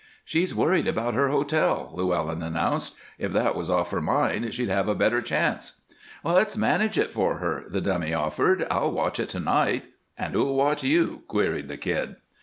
"She's worried about her hotel," Llewellyn announced. "If that was off her mind she'd have a better chance." "Let's manage it for her," the Dummy offered. "I'll watch it to night." "An' who'll watch you?" queried the Kid.